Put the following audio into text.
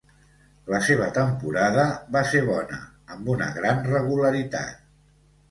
La seva temporada va ser bona, amb una gran regularitat.